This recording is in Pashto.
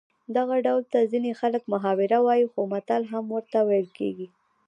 دغه ډول ته ځینې خلک محاوره وايي خو متل هم ورته ویل کېږي